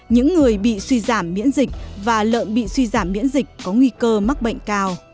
những người bị suy giảm miễn dịch và lợn bị suy giảm miễn dịch có nguy cơ mắc bệnh cao